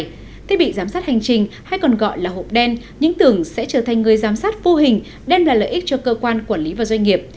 tuy nhiên thiết bị giám sát hành trình hay còn gọi là hộp đen những tưởng sẽ trở thành người giám sát vô hình đen là lợi ích cho cơ quan quản lý và doanh nghiệp